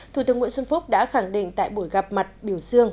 thủ tướng nguyễn xuân phúc đã khẳng định tại buổi gặp mặt biểu dương